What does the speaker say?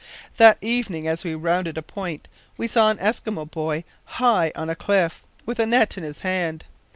"That evening, as we rounded a point, we saw an Eskimo boy high on a cliff, with a net in his hand.